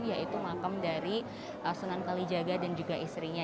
yaitu makam dari sunan kalijaga dan juga istrinya